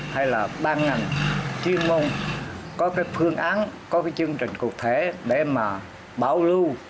hay là ban ngành chuyên môn có cái phương án có cái chương trình cụ thể để mà bảo lưu